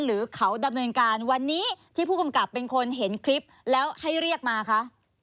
หรือเขาดำเนินการวันนี้ที่ผู้กำกับเป็นคนเห็นคลิปแล้วให้เรียกมาคะ